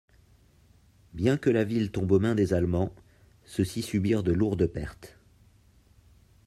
Bien que la ville tombe aux mains des Allemands, ceux-ci subirent de lourdes pertes.